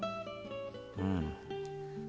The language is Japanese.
うん。